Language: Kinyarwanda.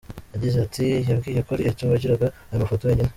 Yagize ati, “ Yambwiye ko ari Eto’o wagiraga ayo mafoto wenyine .